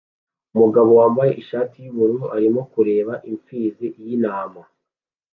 Umugore wambaye ishati yubururu arimo kureba impfizi y'intama